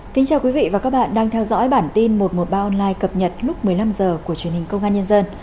kính chào quý vị và các bạn đang theo dõi bản tin một trăm một mươi ba online cập nhật lúc một mươi năm h của truyền hình công an nhân dân